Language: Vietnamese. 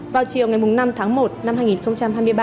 vào chiều ngày năm tháng một năm hai nghìn hai mươi ba